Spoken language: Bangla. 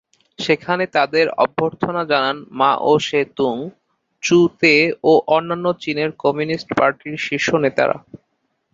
সেখানে তাদের অভ্যর্থনা জানান মাও সে তুং, চু তে ও অন্যান্য চীনের কমিউনিস্ট পার্টির শীর্ষ নেতারা।